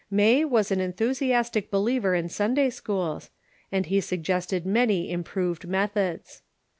May was an enthusiastic believer in Sundaj' schools, and he suggested many improved methods.